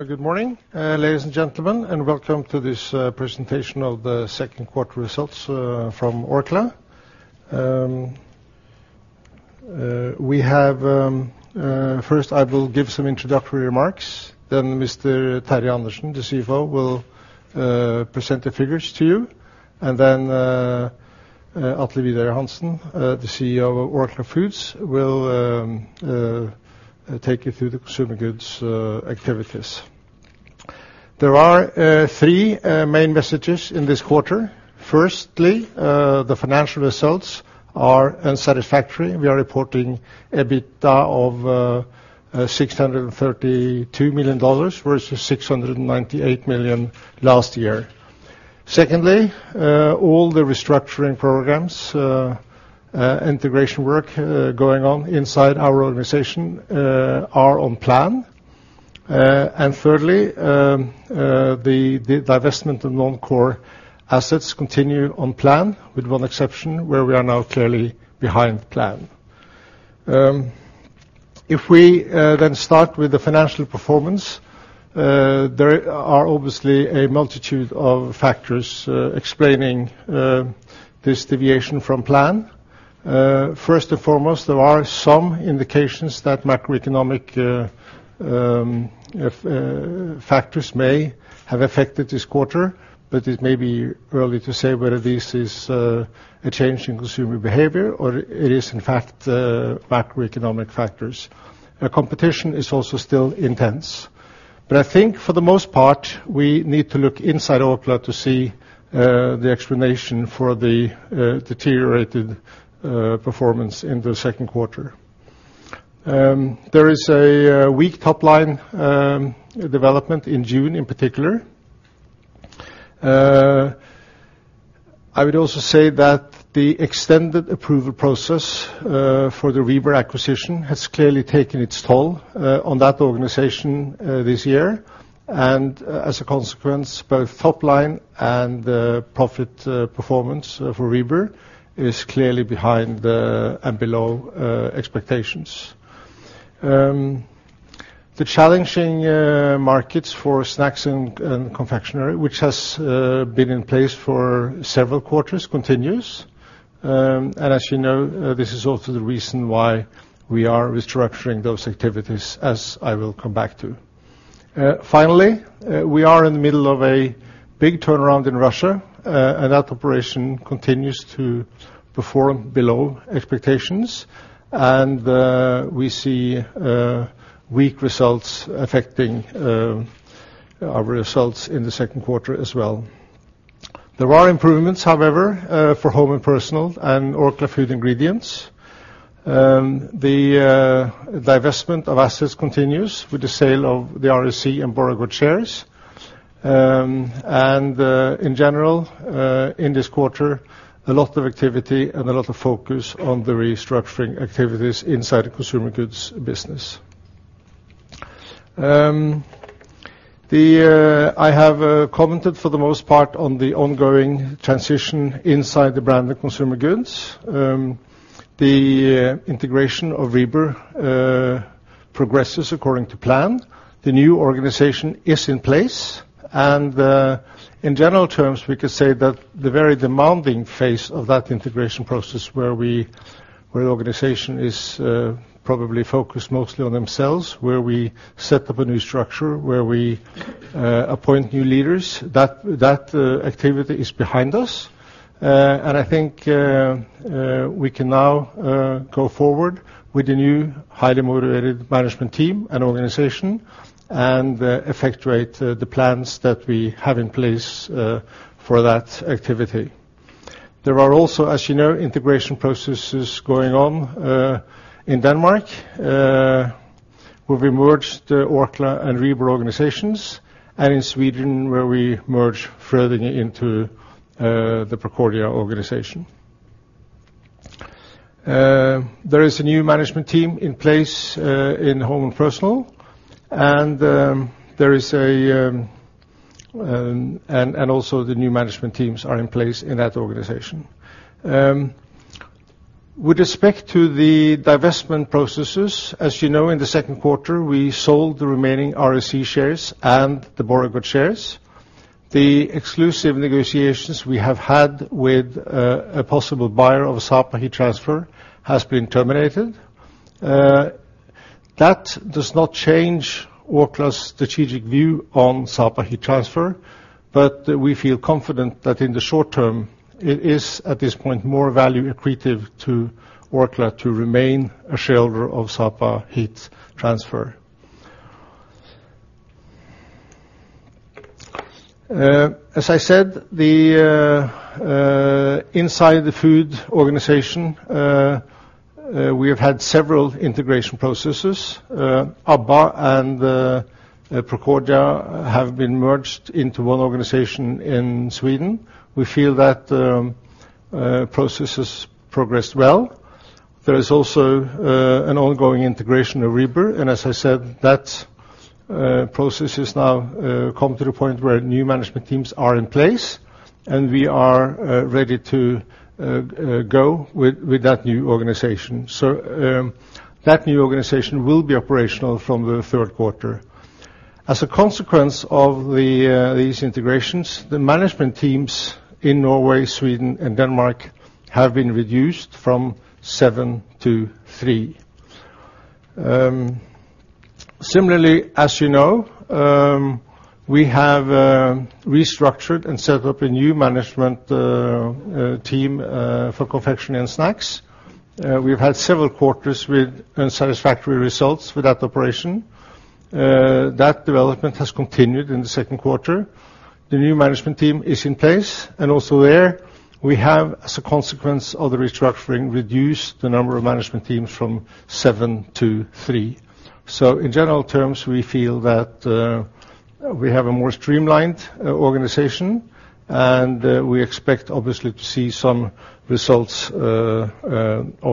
Good morning, ladies and gentlemen, welcome to this presentation of the second quarter results from Orkla. First, I will give some introductory remarks, Mr. Terje Andersen, the CFO, will present the figures to you. Atle Vidar Hansen, the CEO of Orkla Foods, will take you through the consumer goods activities. There are three main messages in this quarter. Firstly, the financial results are unsatisfactory. We are reporting EBITDA of NOK 632 million versus 698 million last year. Secondly, all the restructuring programs, integration work going on inside our organization are on plan. Thirdly, the divestment of non-core assets continue on plan, with one exception, where we are now clearly behind plan. If we start with the financial performance, there are obviously a multitude of factors explaining this deviation from plan. First and foremost, there are some indications that macroeconomic factors may have affected this quarter, but it may be early to say whether this is a change in consumer behavior or it is, in fact, macroeconomic factors. Competition is also still intense. I think for the most part, we need to look inside Orkla to see the explanation for the deteriorated performance in the second quarter. There is a weak top-line development in June in particular. I would also say that the extended approval process for the Rieber acquisition has clearly taken its toll on that organization this year. As a consequence, both top-line and profit performance for Rieber is clearly behind and below expectations. The challenging markets for snacks and confectionery, which has been in place for several quarters, continues. As you know, this is also the reason why we are restructuring those activities, as I will come back to. Finally, we are in the middle of a big turnaround in Russia, and that operation continues to perform below expectations. We see weak results affecting our results in the second quarter as well. There are improvements, however, for home and personal and Orkla Food Ingredients. The divestment of assets continues with the sale of the REC and Borregaard shares. In general, in this quarter, a lot of activity and a lot of focus on the restructuring activities inside the consumer goods business. I have commented for the most part on the ongoing transition inside the brand of consumer goods. The integration of Rieber progresses according to plan. The new organization is in place. In general terms, we could say that the very demanding phase of that integration process where an organization is probably focused mostly on themselves, where we set up a new structure, where we appoint new leaders, that activity is behind us. I think we can now go forward with the new highly motivated management team and organization and effectuate the plans that we have in place for that activity. There are also, as you know, integration processes going on in Denmark, where we merged Orkla and Rieber organizations, and in Sweden, where we merge Frödinge into the Procordia organization. There is a new management team in place in home and personal, and also the new management teams are in place in that organization. With respect to the divestment processes, as you know, in the second quarter, we sold the remaining REC shares and the Borregaard shares. The exclusive negotiations we have had with a possible buyer of Sapa Heat Transfer has been terminated. That does not change Orkla's strategic view on Sapa Heat Transfer, but we feel confident that in the short term it is, at this point, more value accretive to Orkla to remain a shareholder of Sapa Heat Transfer. As I said, inside the food organization, we have had several integration processes. Abba and Procordia have been merged into one organization in Sweden. We feel that process has progressed well. There is also an ongoing integration of Rieber, and as I said, that process has now come to the point where new management teams are in place. We are ready to go with that new organization. That new organization will be operational from the third quarter. As a consequence of these integrations, the management teams in Norway, Sweden, and Denmark have been reduced from seven to three. Similarly, as you know, we have restructured and set up a new management team for Confectionery & Snacks. We've had several quarters with unsatisfactory results for that operation. That development has continued in the second quarter. The new management team is in place, and also there, we have, as a consequence of the restructuring, reduced the number of management teams from seven to three. In general terms, we feel that we have a more streamlined organization, and we expect, obviously, to see some results of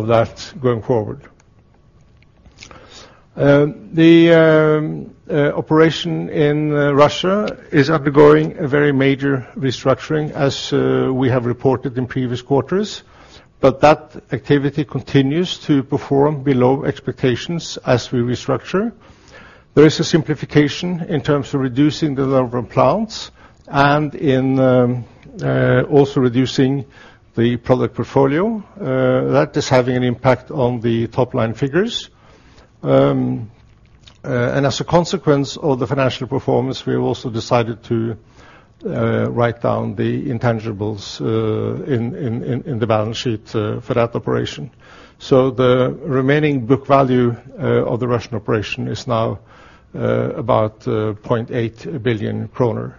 that going forward. The operation in Russia is undergoing a very major restructuring, as we have reported in previous quarters. That activity continues to perform below expectations as we restructure. There is a simplification in terms of reducing the number of plants and in also reducing the product portfolio. That is having an impact on the top-line figures. As a consequence of the financial performance, we have also decided to write down the intangibles in the balance sheet for that operation. The remaining book value of the Russian operation is now about 0.8 billion NOK.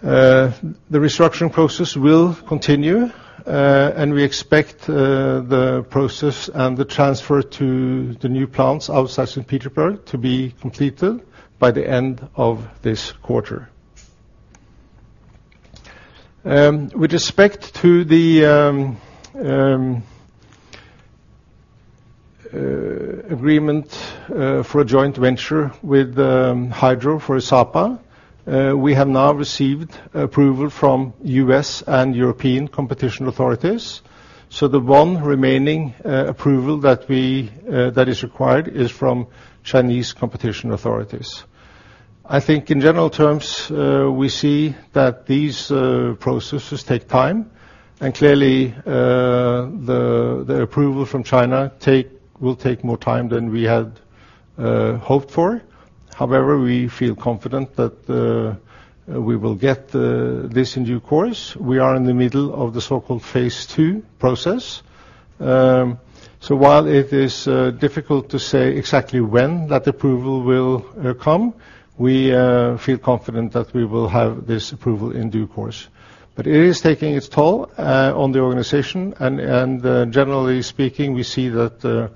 The restructuring process will continue, and we expect the process and the transfer to the new plants outside St. Petersburg to be completed by the end of this quarter. With respect to the agreement for a joint venture with Hydro for Sapa, we have now received approval from U.S. and European competition authorities. The one remaining approval that is required is from Chinese competition authorities. I think in general terms, we see that these processes take time, and clearly, the approval from China will take more time than we had hoped for. However, we feel confident that we will get this in due course. We are in the middle of the so-called phase two process. While it is difficult to say exactly when that approval will come, we feel confident that we will have this approval in due course. It is taking its toll on the organization, and generally speaking, we see that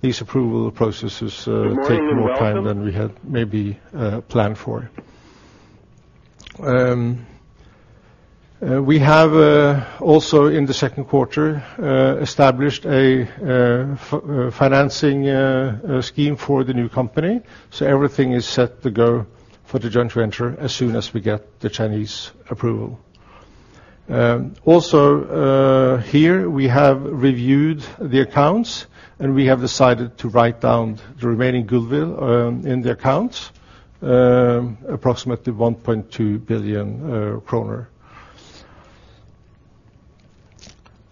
these approval processes take more time than we had maybe planned for. We have also, in the second quarter, established a financing scheme for the new company. Everything is set to go for the joint venture as soon as we get the Chinese approval. We have reviewed the accounts, and we have decided to write down the remaining goodwill in the accounts, approximately 1.2 billion kroner.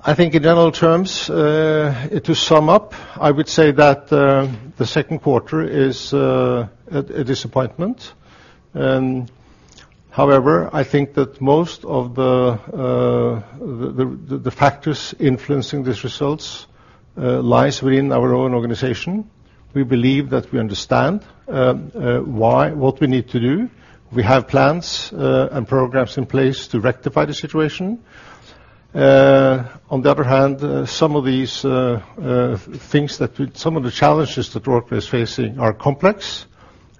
I think in general terms, to sum up, I would say that the second quarter is a disappointment. However, I think that most of the factors influencing these results lies within our own organization. We believe that we understand what we need to do. We have plans and programs in place to rectify the situation. On the other hand, some of the challenges that Orkla is facing are complex.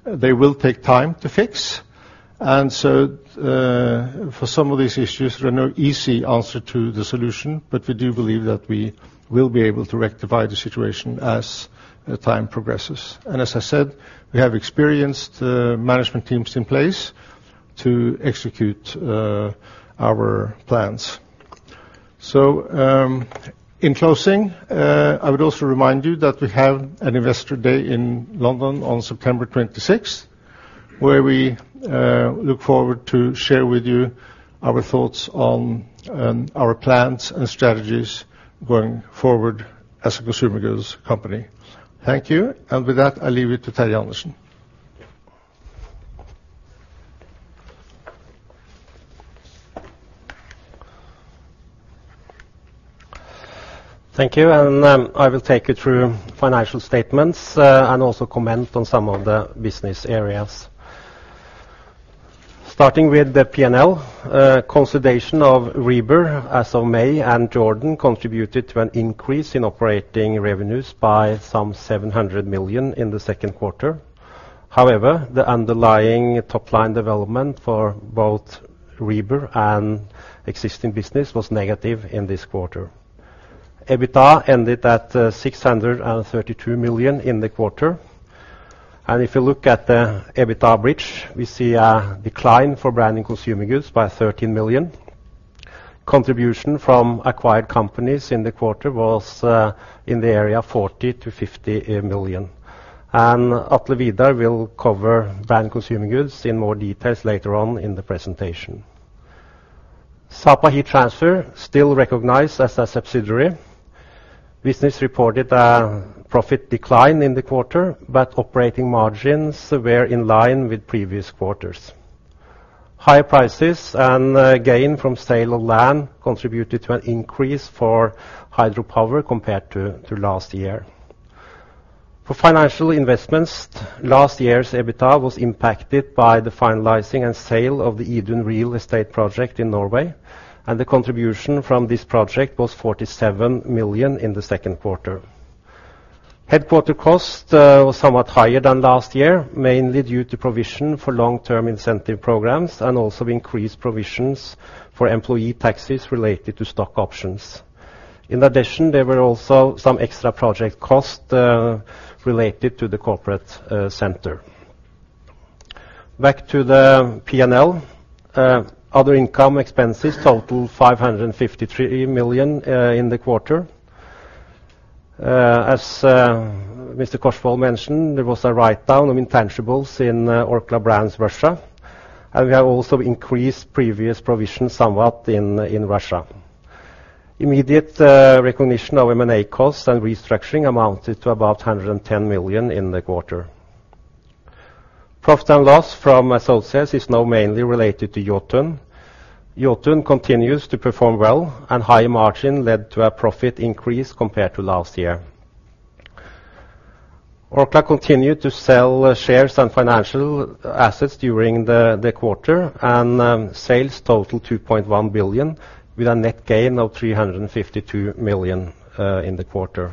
They will take time to fix. For some of these issues, there are no easy answer to the solution, but we do believe that we will be able to rectify the situation as time progresses. As I said, we have experienced management teams in place to execute our plans. In closing, I would also remind you that we have an investor day in London on September 26th, where we look forward to share with you our thoughts on our plans and strategies going forward as a consumer goods company. Thank you. With that, I leave it to Terje Andersen. Thank you. I will take you through financial statements, and also comment on some of the business areas. Starting with the P&L. Consolidation of Rieber as of May and Jordan contributed to an increase in operating revenues by some 700 million in the second quarter. However, the underlying top-line development for both Rieber and existing business was negative in this quarter. EBITDA ended at 632 million in the quarter. If you look at the EBITDA bridge, we see a decline for Orkla Branded Consumer Goods by 13 million. Contribution from acquired companies in the quarter was in the area of 40 million to 50 million. Atle Vidar will cover Orkla Branded Consumer Goods in more details later on in the presentation. Sapa Heat Transfer, still recognized as a subsidiary. Business reported a profit decline in the quarter, but operating margins were in line with previous quarters. Higher prices and gain from sale of land contributed to an increase for Hydro Power compared to last year. For financial investments, last year's EBITDA was impacted by the finalizing and sale of the Idun real estate project in Norway, and the contribution from this project was 47 million in the second quarter. Headquarter cost was somewhat higher than last year, mainly due to provision for long-term incentive programs and also increased provisions for employee taxes related to stock options. In addition, there were also some extra project costs related to the corporate center. Back to the P&L. Other income expenses total 553 million in the quarter. As Mr. Korsvold mentioned, there was a write-down of intangibles in Orkla Brands Russia, and we have also increased previous provisions somewhat in Russia. Immediate recognition of M&A costs and restructuring amounted to about 110 million in the quarter. Profit and loss from associates is now mainly related to Jotun. Jotun continues to perform well, and high margin led to a profit increase compared to last year. Orkla continued to sell shares and financial assets during the quarter, and sales total 2.1 billion, with a net gain of 352 million in the quarter.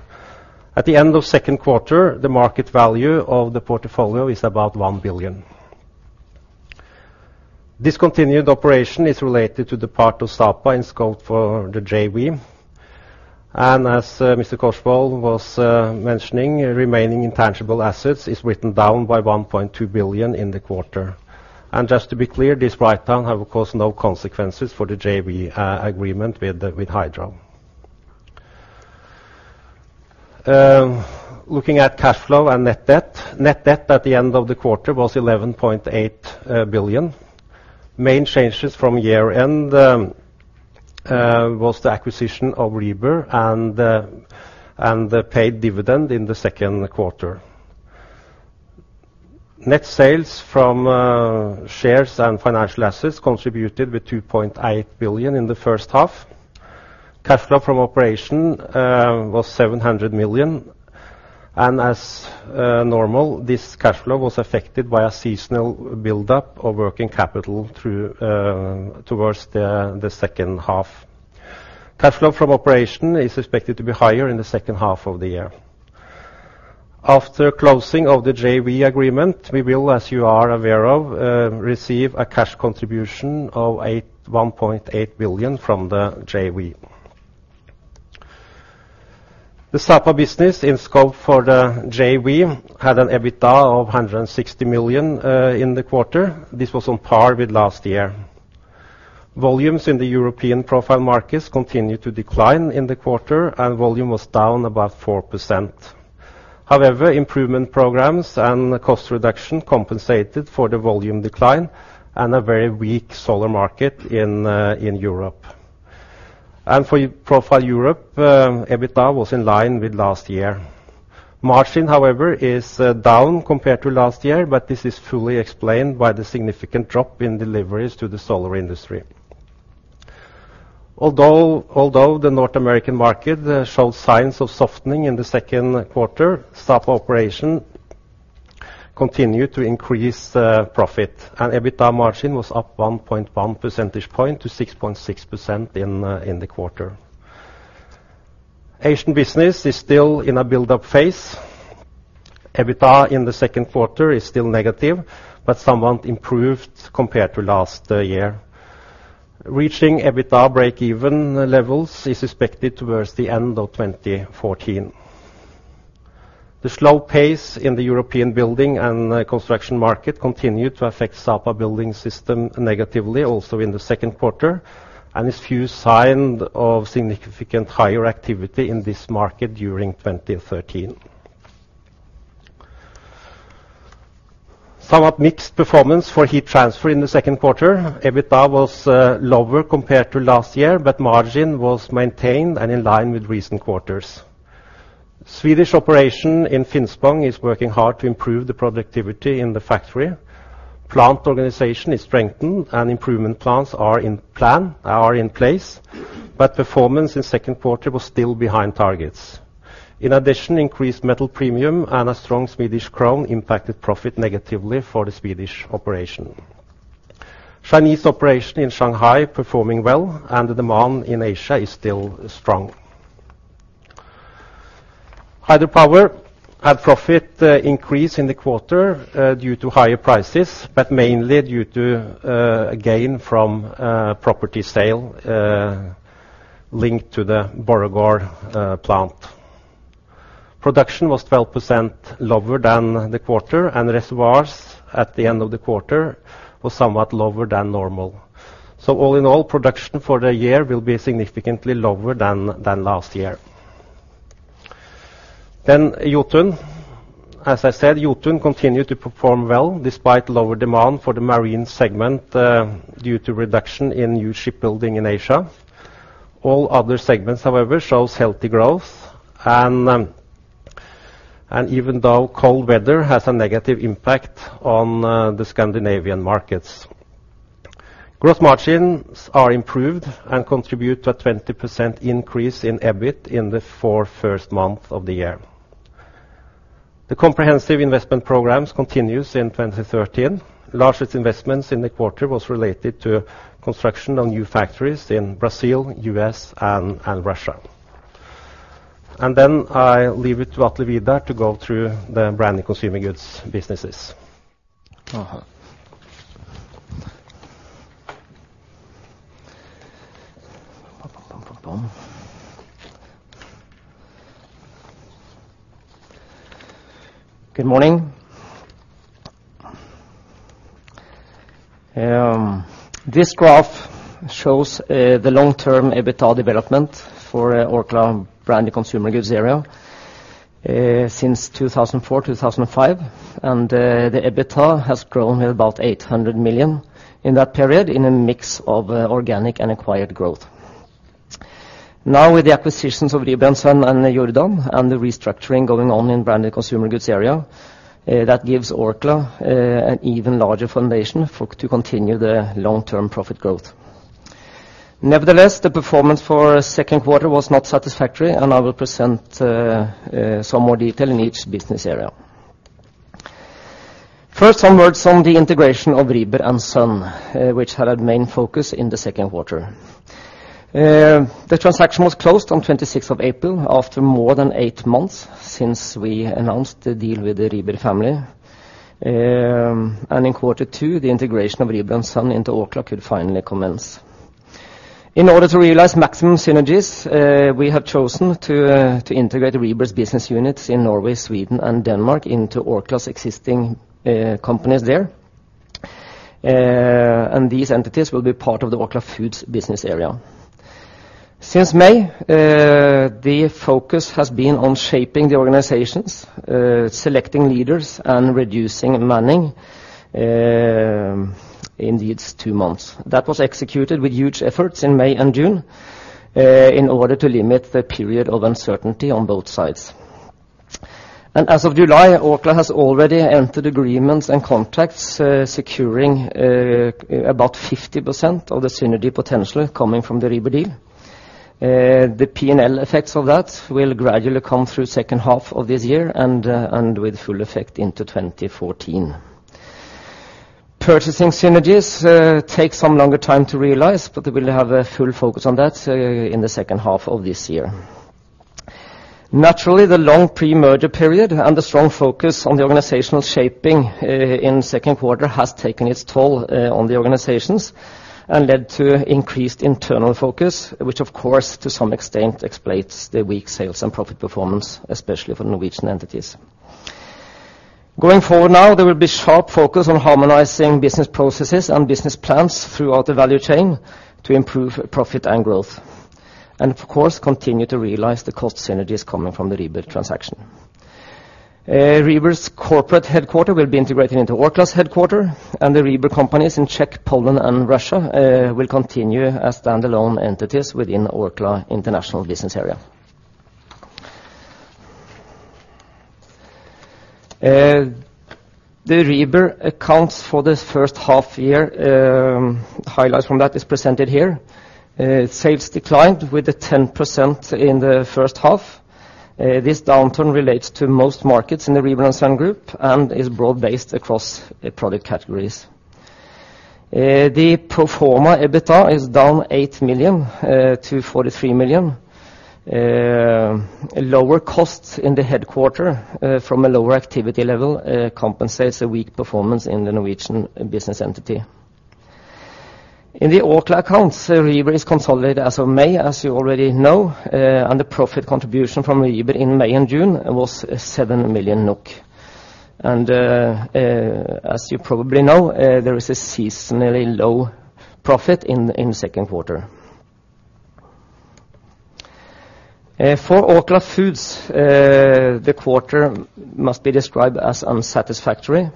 At the end of second quarter, the market value of the portfolio is about 1 billion. Discontinued operation is related to the part of Sapa in scope for the JV. As Mr. Korsvold was mentioning, remaining intangible assets is written down by 1.2 billion in the quarter. Just to be clear, this write-down have of course no consequences for the JV agreement with Hydro. Looking at cash flow and net debt. Net debt at the end of the quarter was 11.8 billion. Main changes from year-end was the acquisition of Rieber and the paid dividend in the second quarter. Net sales from shares and financial assets contributed with 2.8 billion in the first half. Cash flow from operation was 700 million, and as normal, this cash flow was affected by a seasonal buildup of working capital towards the second half. Cash flow from operation is expected to be higher in the second half of the year. After closing of the JV agreement, we will, as you are aware of, receive a cash contribution of 1.8 billion from the JV. The Sapa business in scope for the JV had an EBITDA of 160 million in the quarter. This was on par with last year. Volumes in the European profile markets continued to decline in the quarter, and volume was down about 4%. However, improvement programs and cost reduction compensated for the volume decline and a very weak solar market in Europe. For Profile Europe, EBITDA was in line with last year. Margin, however, is down compared to last year, but this is fully explained by the significant drop in deliveries to the solar industry. Although the North American market showed signs of softening in the second quarter, Sapa operation continued to increase profit, and EBITDA margin was up 1.1 percentage point to 6.6% in the quarter. Asian business is still in a buildup phase. EBITDA in the second quarter is still negative, but somewhat improved compared to last year. Reaching EBITDA break-even levels is expected towards the end of 2014. The slow pace in the European building and construction market continued to affect Sapa Building System negatively also in the second quarter, and there's few sign of significant higher activity in this market during 2013. Somewhat mixed performance for Heat Transfer in the second quarter. EBITDA was lower compared to last year, but margin was maintained and in line with recent quarters. Swedish operation in Finspång is working hard to improve the productivity in the factory. Plant organization is strengthened and improvement plans are in place, but performance in second quarter was still behind targets. In addition, increased metal premium and a strong SEK impacted profit negatively for the Swedish operation. Chinese operation in Shanghai performing well, and the demand in Asia is still strong. Hydro Power had profit increase in the quarter due to higher prices, but mainly due to a gain from property sale linked to the Borregaard plant. Production was 12% lower than the quarter, and reservoirs at the end of the quarter were somewhat lower than normal. All in all, production for the year will be significantly lower than last year. Jotun. As I said, Jotun continued to perform well despite lower demand for the marine segment due to reduction in new shipbuilding in Asia. All other segments, however, show healthy growth even though cold weather has a negative impact on the Scandinavian markets. Gross margins are improved and contribute to a 20% increase in EBIT in the four first months of the year. The comprehensive investment programs continue in 2013. Largest investments in the quarter were related to construction on new factories in Brazil, U.S., and Russia. Good morning. I leave it to Atle Vidar to go through the Branded Consumer Goods businesses. Good morning. This graph shows the long-term EBITDA development for Orkla Branded Consumer Goods area since 2004, 2005. The EBITDA has grown at about 800 million in that period in a mix of organic and acquired growth. With the acquisitions of Rieber & Søn and Jordan and the restructuring going on in Orkla Branded Consumer Goods area, that gives Orkla an even larger foundation to continue the long-term profit growth. Nevertheless, the performance for second quarter was not satisfactory. I will present some more detail in each business area. First, some words on the integration of Rieber & Søn, which had a main focus in the second quarter. The transaction was closed on 26th of April after more than eight months since we announced the deal with the Rieber family. In quarter two, the integration of Rieber & Søn into Orkla could finally commence. In order to realize maximum synergies, we have chosen to integrate Rieber's business units in Norway, Sweden and Denmark into Orkla's existing companies there. These entities will be part of the Orkla Foods business area. Since May, the focus has been on shaping the organizations, selecting leaders and reducing manning in these two months. That was executed with huge efforts in May and June in order to limit the period of uncertainty on both sides. As of July, Orkla has already entered agreements and contracts, securing about 50% of the synergy potential coming from the Rieber deal. The P&L effects of that will gradually come through second half of this year with full effect into 2014. Purchasing synergies take some longer time to realize, but we will have a full focus on that in the second half of this year. Naturally, the long pre-merger period and the strong focus on the organizational shaping in second quarter has taken its toll on the organizations and led to increased internal focus, which of course, to some extent explains the weak sales and profit performance, especially for Norwegian entities. Going forward now, there will be sharp focus on harmonizing business processes and business plans throughout the value chain to improve profit and growth. Of course, continue to realize the cost synergies coming from the Rieber transaction. Rieber's corporate headquarter will be integrated into Orkla's headquarter, and the Rieber companies in Czech, Poland and Russia will continue as standalone entities within Orkla International business area. The Rieber accounts for this first half year, highlights from that is presented here. Sales declined with 10% in the first half. This downturn relates to most markets in the Rieber & Søn group and is broad-based across product categories. The pro forma EBITDA is down 8 million to 43 million. Lower costs in the headquarter from a lower activity level compensates a weak performance in the Norwegian business entity. In the Orkla accounts, Rieber is consolidated as of May, as you already know, and the profit contribution from Rieber in May and June was 7 million NOK. As you probably know, there is a seasonally low profit in second quarter. For Orkla Foods, the quarter must be described as unsatisfactory.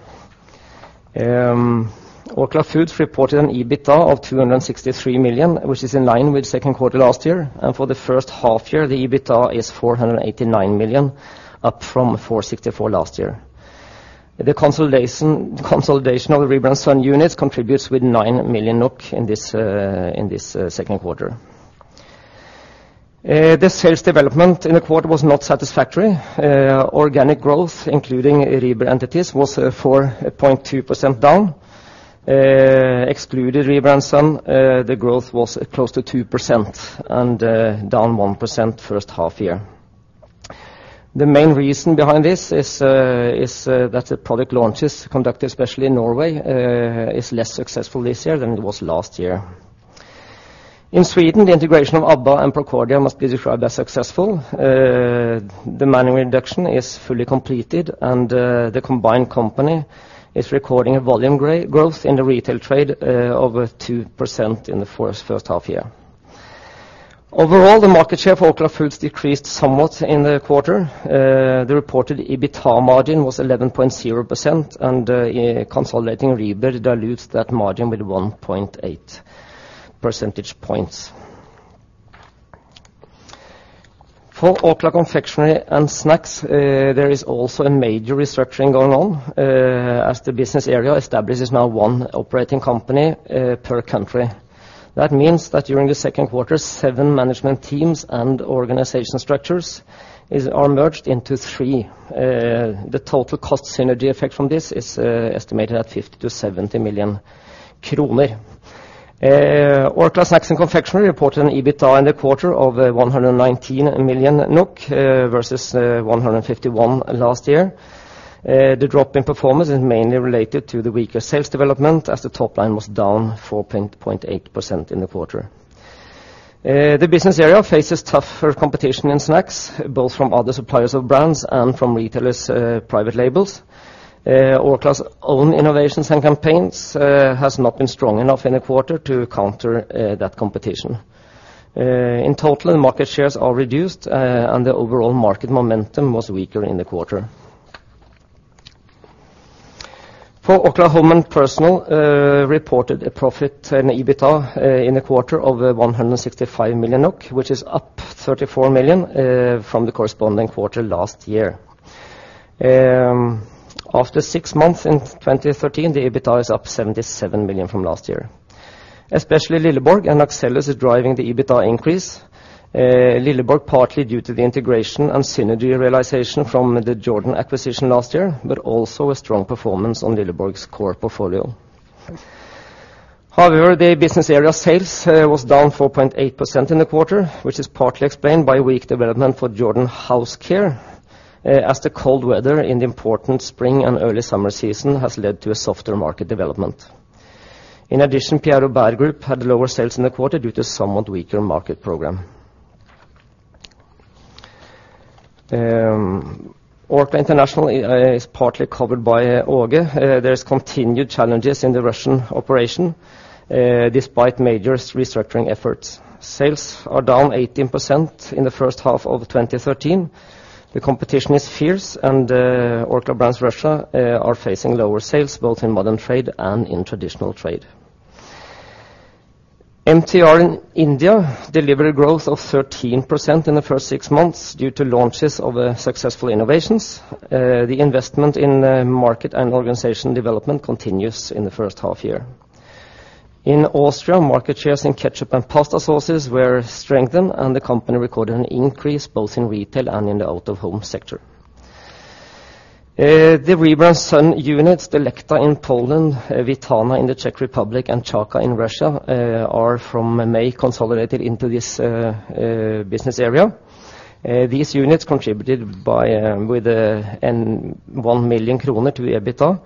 Orkla Foods reported an EBITDA of 263 million, which is in line with second quarter last year. For the first half year, the EBITDA is 489 million, up from 464 million last year. The consolidation of Rieber & Søn units contributes with 9 million NOK in this second quarter. The sales development in the quarter was not satisfactory. Organic growth, including Rieber entities, was 4.2% down. Excluded Rieber & Søn, the growth was close to 2% and down 1% first half year. The main reason behind this is that the product launches conducted, especially in Norway, is less successful this year than it was last year. In Sweden, the integration of Abba and Procordia must be described as successful. The manning reduction is fully completed, and the combined company is recording a volume growth in the retail trade of 2% in the first half year. Overall, the market share for Orkla Foods decreased somewhat in the quarter. The reported EBITDA margin was 11.0%, and consolidating Rieber dilutes that margin with 1.8 percentage points. For Orkla Confectionery & Snacks, there is also a major restructuring going on as the business area establishes now one operating company per country. That means that during the second quarter, seven management teams and organization structures are merged into three. The total cost synergy effect from this is estimated at 50 million-70 million kroner. Orkla Confectionery & Snacks reported an EBITDA in the quarter of 119 million NOK, versus 151 million last year. The drop in performance is mainly related to the weaker sales development, as the top line was down 4.8% in the quarter. The business area faces tougher competition in snacks, both from other suppliers of brands and from retailers' private labels. Orkla's own innovations and campaigns has not been strong enough in the quarter to counter that competition. In total, market shares are reduced, and the overall market momentum was weaker in the quarter. For Orkla Home & Personal, reported a profit in EBITDA in the quarter of 165 million NOK, which is up 34 million from the corresponding quarter last year. After six months in 2013, the EBITDA is up 77 million from last year. Especially Lilleborg and Axellus is driving the EBITDA increase. Lilleborg partly due to the integration and synergy realization from the Jordan acquisition last year, but also a strong performance on Lilleborg's core portfolio. However, the business area sales was down 4.8% in the quarter, which is partly explained by weak development for Jordan House Care, as the cold weather in the important spring and early summer season has led to a softer market development. In addition, Pierre Robert Group had lower sales in the quarter due to somewhat weaker market program. Orkla International is partly covered by Orkla. There's continued challenges in the Russian operation, despite major restructuring efforts. Sales are down 18% in the first six months of 2013. The competition is fierce, and Orkla Brands Russia are facing lower sales both in modern trade and in traditional trade. MTR in India delivered growth of 13% in the first six months due to launches of successful innovations. The investment in market and organization development continues in the first half year. In Austria, market shares in ketchup and pasta sauces were strengthened, and the company recorded an increase both in retail and in the out-of-home sector. The Rieber & Søn units, Delecta in Poland, Vitana in the Czech Republic, and Chaka in Russia are from May consolidated into this business area. These units contributed with 1 million kroner to EBITDA,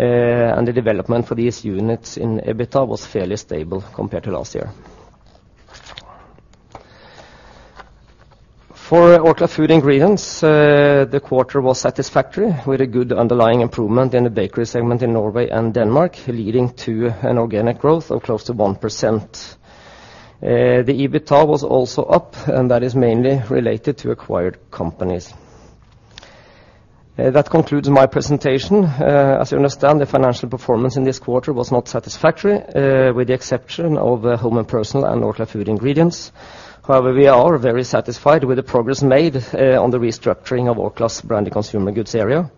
and the development for these units in EBITDA was fairly stable compared to last year. For Orkla Food Ingredients, the quarter was satisfactory with a good underlying improvement in the bakery segment in Norway and Denmark, leading to an organic growth of close to 1%. The EBITDA was also up, and that is mainly related to acquired companies. That concludes my presentation. As you understand, the financial performance in this quarter was not satisfactory, with the exception of Home & Personal and Orkla Food Ingredients. However, we are very satisfied with the progress made on the restructuring of Orkla's Branded Consumer Goods area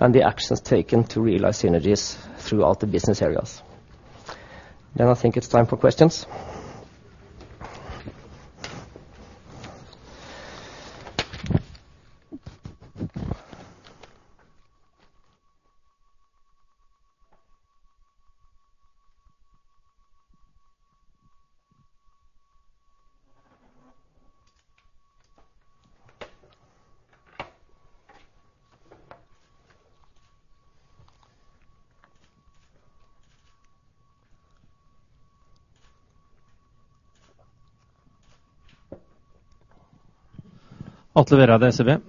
and the actions taken to realize synergies throughout the business areas. I think it's time for questions. Atle Røed, SEB.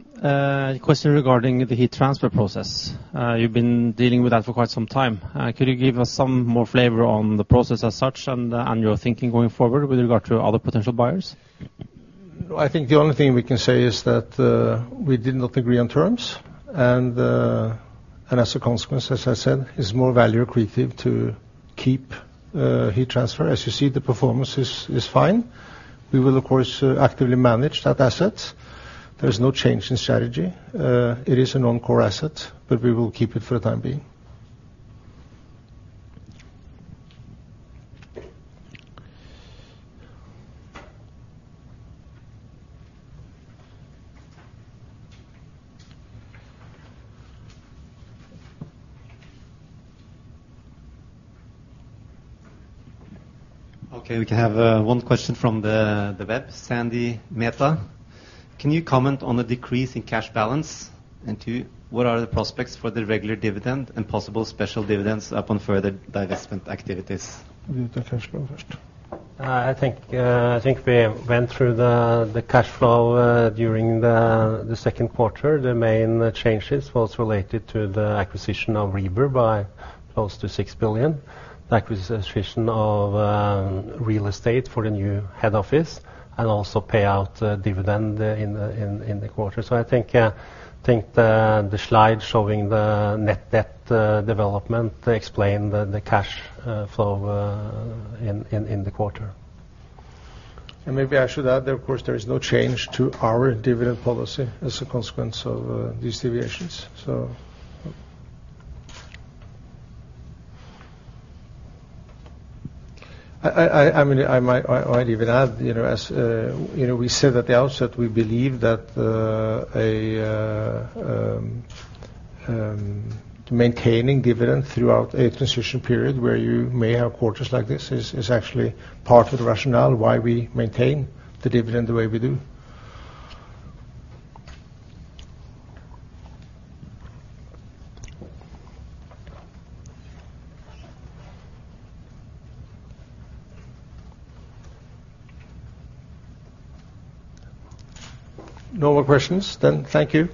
Question regarding the Heat Transfer process. You've been dealing with that for quite some time. Could you give us some more flavor on the process as such and your thinking going forward with regard to other potential buyers? I think the only thing we can say is that we did not agree on terms, as a consequence, as I said, it is more value accretive to keep Heat Transfer. As you see, the performance is fine. We will, of course, actively manage that asset. There is no change in strategy. It is a non-core asset, but we will keep it for the time being. Okay, we have one question from the web, Sandy Mehta. Can you comment on the decrease in cash balance? Two, what are the prospects for the regular dividend and possible special dividends upon further divestment activities? I think we went through the cash flow during the second quarter. The main changes was related to the acquisition of Rieber by close to 6 billion. The acquisition of real estate for the new head office, and also pay out dividend in the quarter. I think the slide showing the net debt development explain the cash flow in the quarter. Maybe I should add, of course, there is no change to our dividend policy as a consequence of these deviations. I might even add, as we said at the outset, we believe that maintaining dividend throughout a transition period where you may have quarters like this is actually part of the rationale why we maintain the dividend the way we do. No more questions? Thank you.